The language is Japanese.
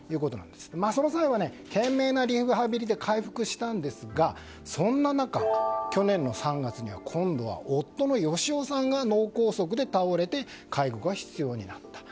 その際は懸命なリハビリで回復したんですがそんな中、去年の３月には今度は夫の芳男さんが脳梗塞で倒れて介護が必要になった。